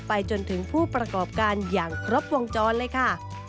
ไปจนถึงผู้ประกอบการอย่างครบวงจรเลยค่ะ